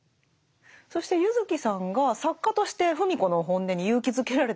そして柚木さんが作家として芙美子の本音に勇気づけられた部分というのがあるんですよね。